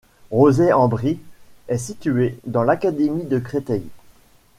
Rozay-en-Brie est située dans l'académie de Créteil.